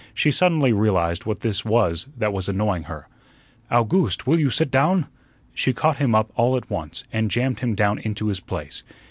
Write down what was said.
She suddenly realized what this was that was annoying her. "Owgooste, will you sit down?" She caught him up all at once, and jammed him down into his place.